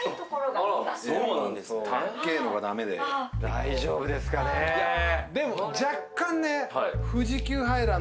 大丈夫ですかねぇ。